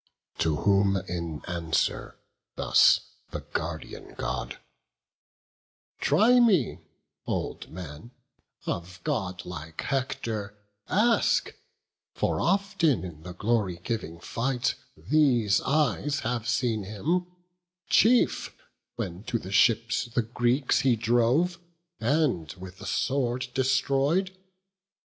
To whom in answer thus the Guardian God: "Try me, old man; of godlike Hector ask; For often in the glory giving fight These eyes have seen him; chief, when to the ships The Greeks he drove, and with the sword destroy'd.